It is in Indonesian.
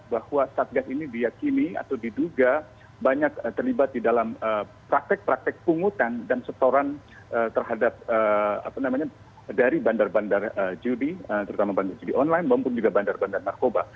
bahwa satgas ini diyakini atau diduga banyak terlibat di dalam praktek praktek pungutan dan setoran terhadap dari bandar bandar judi terutama bandar judi online maupun juga bandar bandar narkoba